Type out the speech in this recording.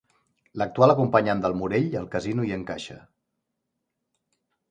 L'actual acompanyant del Morell al casino hi encaixa.